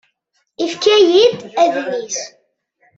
Ifka-yi-d adlis.